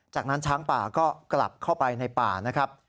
จากนั้นช้างป่าก็กลับเข้าไปในป่านะครับ